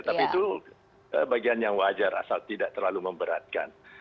tapi itu bagian yang wajar asal tidak terlalu memberatkan